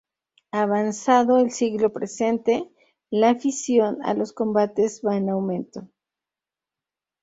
Avanzado el siglo presente la afición a los combates va en aumento.